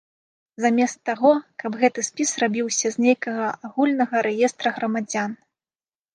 Замест таго, каб гэты спіс рабіўся з нейкага агульнага рэестра грамадзян.